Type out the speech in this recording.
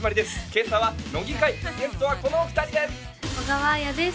今朝は乃木回ゲストはこのお二人です小川彩です